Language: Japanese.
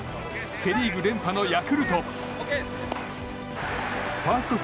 セ・リーグ連覇のヤクルト。